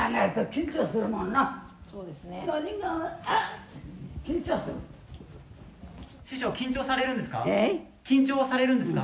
緊張されるんですか？